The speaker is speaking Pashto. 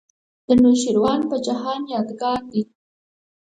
د نوشیروان په جهان یادګار دی.